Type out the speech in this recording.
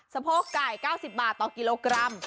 สะโพกไก่๙๐บาทต่อกิโลกรัม